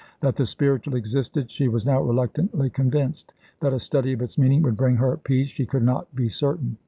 That the spiritual existed she was now reluctantly convinced; that a study of its meaning would bring her peace she could not be certain.